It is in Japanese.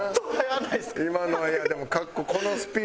今のはいやでも。